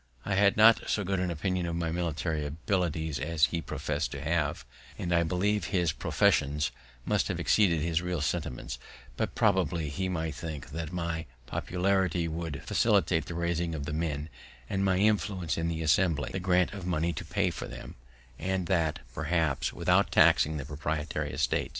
I had not so good an opinion of my military abilities as he profess'd to have, and I believe his professions must have exceeded his real sentiments; but probably he might think that my popularity would facilitate the raising of the men, and my influence in Assembly, the grant of money to pay them, and that, perhaps, without taxing the proprietary estate.